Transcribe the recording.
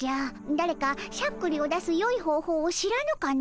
だれかしゃっくりを出すよい方法を知らぬかの？